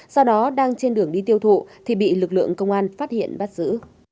sau đó đang trên đường đi tiêu thụ thì bị lực lượng công an phát hiện bắt giữ